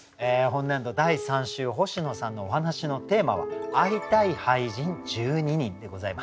本年度第３週星野さんのお話のテーマは「会いたい俳人、１２人」でございます。